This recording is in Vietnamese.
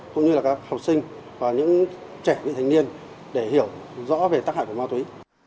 cũng như là các học sinh và những trẻ vị thành niên để hiểu rõ về tác hại của ma túy